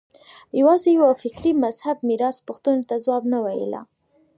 یوازې یوه فکري مذهب میراث پوښتنو ته ځواب نه ویلای